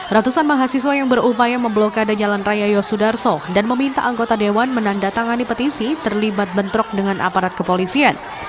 ratusan mahasiswa yang berupaya memblokade jalan raya yosudarso dan meminta anggota dewan menandatangani petisi terlibat bentrok dengan aparat kepolisian